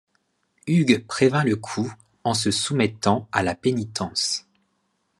Hugues prévint le coup en se soumettant à la pénitence.